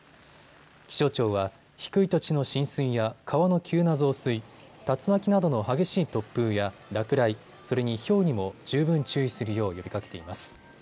気象庁は低い土地の浸水や川の急な増水、竜巻などの激しい突風や落雷、それに、ひょうにも十分注意するよう呼びかけています。